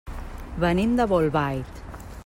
Venim de Bolbait.